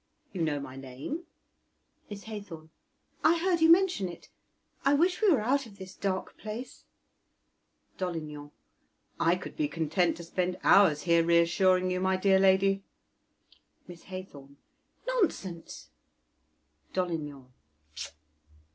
_ You know my name? Miss Haythorn. I heard you mention it. I wish we were out of this dark place. Dolignan. I could be content to spend hours here reassuring you, my dear lady. Miss Haythorn. Nonsense! Dolignan. Pweep!